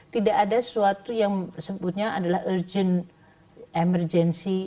tidak ada sesuatu yang disebutnya adalah urgent emergency